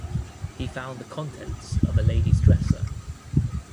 He found the contents of a lady's dresser.